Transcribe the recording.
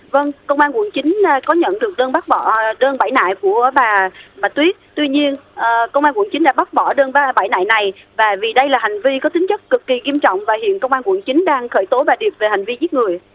vâng công an quận chín có nhận được đơn bãi nại của bà tuyết tuy nhiên công an quận chín đã bắt bỏ đơn bãi nại này và vì đây là hành vi có tính chất cực kỳ kiêm trọng và hiện công an quận chín đang khởi tố bà điệp về hành vi giết người